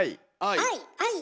はい。